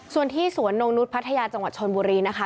ส่วนที่สวนนงนุษย์พัทยาจังหวัดชนบุรีนะคะ